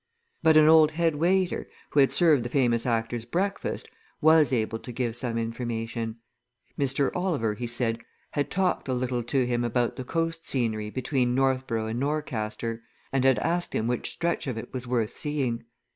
But an old head waiter, who had served the famous actor's breakfast, was able to give some information; Mr. Oliver, he said, had talked a little to him about the coast scenery between Northborough and Norcaster, and had asked him which stretch of it was worth seeing.